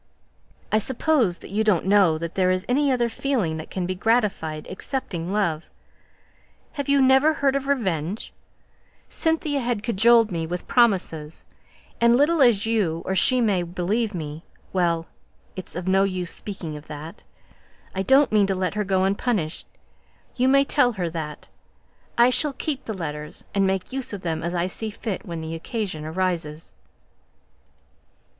"I suppose you don't know that there is any other feeling that can be gratified, except love. Have you never heard of revenge? Cynthia has cajoled me with promises, and little as you or she may believe me well, it's no use speaking of that. I don't mean to let her go unpunished. You may tell her that. I shall keep the letters, and make use of them as I see fit when the occasion arises."